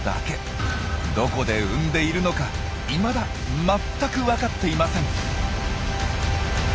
どこで産んでいるのかいまだ全く分かっていません。